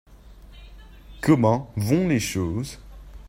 Comment vont les choses ?